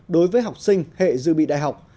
đối với học sinh hệ dự bị đại học